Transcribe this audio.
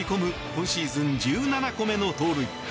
今シーズン１７個目の盗塁。